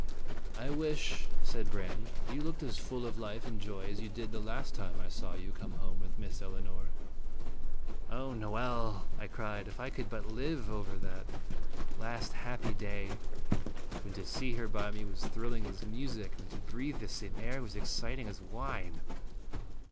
" I wish," said Brande, " you looked as full of life and joy as you did the last time I saw you come home with Miss Elinor." "O Noel!" 1 cried, "if I could but live over that last happy day, when to see her by me was thrilling as music, when to breathe the same air was exciting as wine